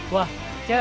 emang gak ada mesinnya